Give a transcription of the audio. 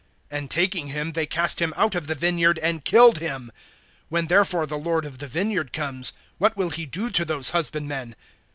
(39)And taking him, they cast him out of the vineyard, and killed him. (40)When therefore the lord of the vineyard comes, what will he do to those husbandmen?